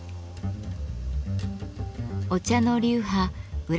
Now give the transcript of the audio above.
お茶の流派裏